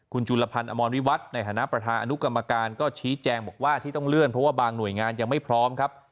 คุณจุลพันธ์อมรวิวัฒน์ในฐานะประธานอนุกรรมการก็ชี้แจงบอกว่าที่ต้องเลื่อนเพราะว่าบางหน่วยงานยังไม่พร้อมครับ